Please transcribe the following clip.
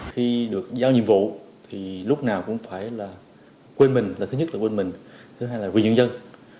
khi được giao nhiệm vụ thì lúc nào cũng phải là quên mình là thứ nhất là quên mình thứ hai là vì nhân dân